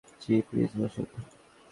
জি, please বসুন।